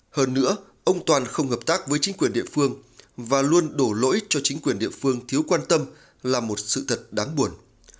hơn nữa ông toàn không hợp tác với chính quyền địa phương và luôn đổ lỗi cho chính quyền địa phương thiếu quan tâm là một sự thật đáng buồn